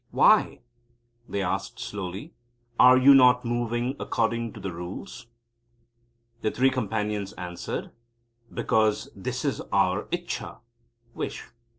"Why," they asked slowly, "are you not moving according to the Rules?" The Three Companions answered: "Because that is our Ichcha (wish)."